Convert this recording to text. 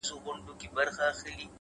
د زحمت خوله د بریا بوی لري،